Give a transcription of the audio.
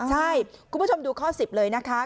ใช่คุณผู้ชมดูข้อ๑๐เลยนะคะ